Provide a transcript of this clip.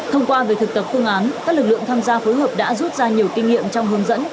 thông qua việc thực tập phương án các lực lượng tham gia phối hợp đã rút ra nhiều kinh nghiệm trong hướng dẫn